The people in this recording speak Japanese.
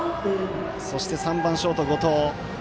そして、３番ショート、後藤。